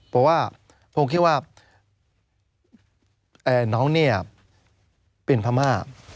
เพราะว่าผมคิดว่าน้องเนี่ยเป็นพม่า